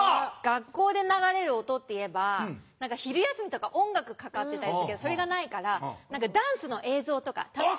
学校で流れる音っていえば何か昼休みとか音楽かかってたりするけどそれがないからダンスの映像とか楽しい。